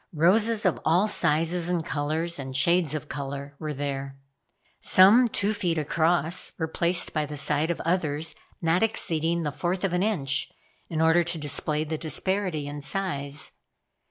Roses of all sizes and colors and shades of color were there. Some two feet across were placed by the side of others not exceeding the fourth of an inch in order to display the disparity in size.